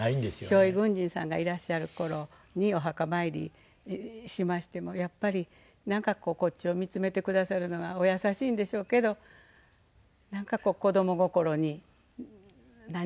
傷痍軍人さんがいらっしゃる頃にお墓参りしましてもやっぱりなんかこうこっちを見つめてくださるのがお優しいんでしょうけどなんか子ども心に何か感じるものがありました。